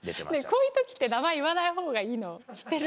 こういう時って名前言わないほうがいいの知ってる？